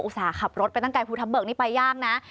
ส่าห์ขับรถไปตั้งไกลภูทับเบิกนี่ไปยากนะ